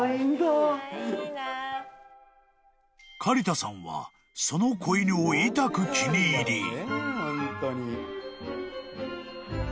［刈田さんはその子犬をいたく気に入り］